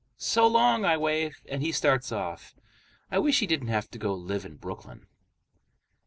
"So long." I wave, and he starts off. I wish he didn't have to go live in Brooklyn.